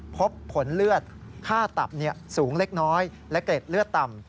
พบผลเลือดค่าตับสูงเล็กน้อยและเกร็ดเลือดต่ำ